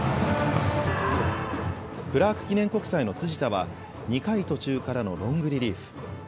クラーク記念国際の辻田は、２回途中からのロングリリーフ。